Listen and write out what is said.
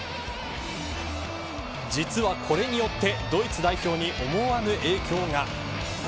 実は、これによってドイツ代表に思わぬ影響が。